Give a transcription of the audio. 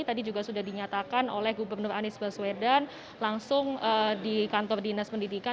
tadi juga sudah dinyatakan oleh gubernur anies baswedan langsung di kantor dinas pendidikan